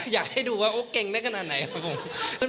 อยากให้ดูว่าเก่งได้ขนาดไหนครับผม